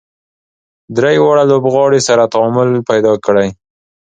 درې واړه لوبغاړي سره تعامل پیدا کړي.